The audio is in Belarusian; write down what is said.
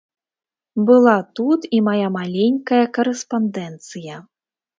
Была тут і мая маленькая карэспандэнцыя.